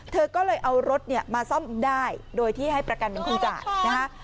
เธอก็เลยเอารถเนี่ยมาซ่อมได้โดยที่ให้ประกันเป็นคนจ่ายนะคะ